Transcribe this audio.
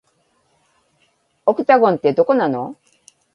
オクタゴンって、どこなの